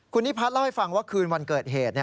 คุณนิพัฒนเล่าให้ฟังว่าคืนวันเกิดเหตุ